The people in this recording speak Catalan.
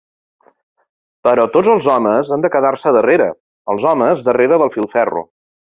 Però tots els homes han de quedar-se darrere, els homes darrere del filferro.